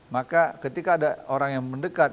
maka ketika ada orang yang mendekat